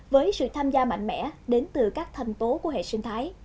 với sự tham gia mạnh mẽ đến từ các thành tố của hệ sinh thái